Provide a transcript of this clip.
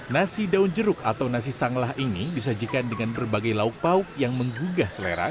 nasi daun jeruk atau nasi sanglah ini disajikan dengan berbagai lauk pauk yang menggugah selera